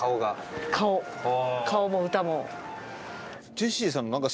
ジェシーさん何か。